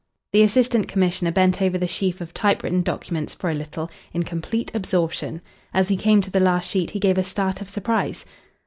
The Assistant Commissioner bent over the sheaf of typewritten documents for a little in complete absorption. As he came to the last sheet he gave a start of surprise.